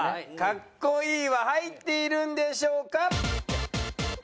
「かっこいい」は入っているんでしょうか？